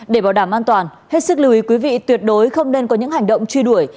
để bảo đảm an toàn hết sức lưu ý quý vị tuyệt đối không nên có những hành động truy đuổi